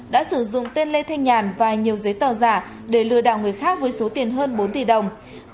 đã sử dụng tên lê thanh nhàn và nhiều giấy tờ giả để lừa đảo người khác với số tiền hơn bốn tỷ đồng